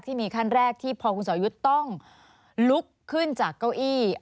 ขั้นมีขั้นแรกที่พอคุณสอยุทธ์ต้องลุกขึ้นจากเก้าอี้